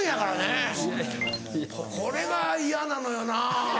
これが嫌なのよな。